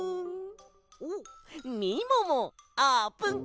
おっみももあーぷん